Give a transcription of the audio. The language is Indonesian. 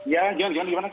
ya john john gimana